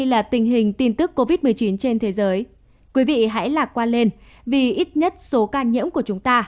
là tình hình tin tức covid một mươi chín trên thế giới quý vị hãy lạc quan lên vì ít nhất số ca nhiễm của chúng ta